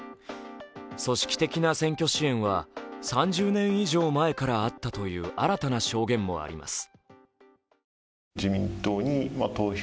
組織的な選挙支援は３０年以上前からあったという新たな証言もあります。